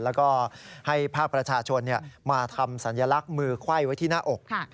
แล้วก็ให้ภาคประชาชนมาทำสัญลักษณ์มือไขว้ไว้ที่หน้าอก